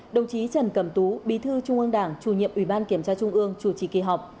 đồng chí trần cẩm tú bí thư trung ương đảng chủ nhiệm ủy ban kiểm tra trung ương chủ trì kỳ họp